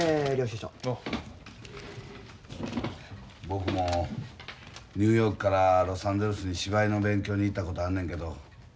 僕もニューヨークからロサンゼルスに芝居の勉強に行ったことあるねんけど。